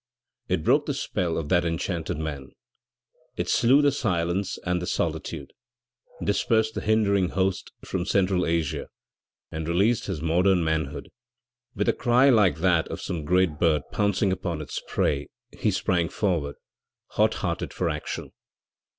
It broke the spell of that enchanted man; it slew the silence and the solitude, dispersed the hindering host from Central Asia and released his modern manhood. With a cry like that of some great bird pouncing upon its prey he sprang forward, hot hearted for action!